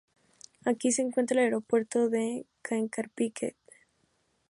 Aquí se encuentra el Aeropuerto de Caen-Carpiquet.